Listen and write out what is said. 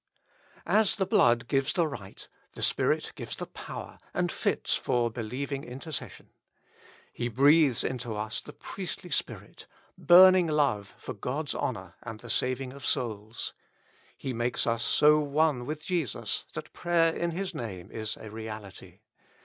And as the blood gives the right, the Spirit gives the power, and fits for believing intercession. He breathes into us the priestly spirit— burning love for God's honor and the saving of souls. He makes us so one with Jesus that prayer in His Name is a reality.